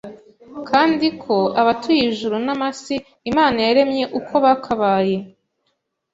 kandi ko abatuye ijuru n’amasi Imana yaremye uko bakabaye,